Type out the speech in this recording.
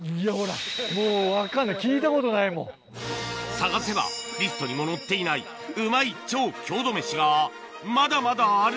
探せばリストにも載っていないうまい超郷土メシがまだまだある！